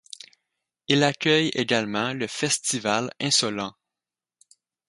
Il accueille également le Festival Insolents.